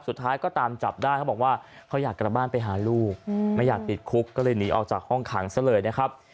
สุดท้ายก็ตามจับได้เขาบอกว่าเขาอยากกลับบ้านไปหาลูกไม่อยากติดคุกก็เลยหนีออกจากห้องขังซะเลยนะครับ